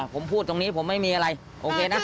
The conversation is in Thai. ผมพูดตรงนี้ผมไม่มีอะไรโอเคนะ